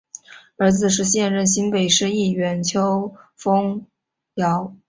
儿子是现任新北市议员邱烽尧。